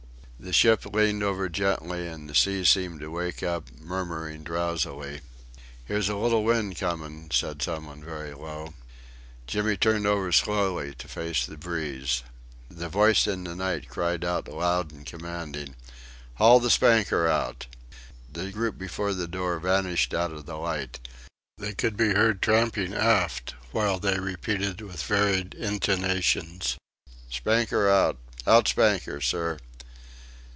The ship leaned over gently and the sea seemed to wake up, murmuring drowsily. "Here's a little wind comin'," said some one very low. Jimmy turned over slowly to face the breeze. The voice in the night cried loud and commanding: "Haul the spanker out." The group before the door vanished out of the light. They could be heard tramping aft while they repeated with varied intonations: "Spanker out!"... "Out spanker, sir!"